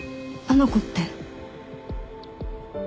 あの子って？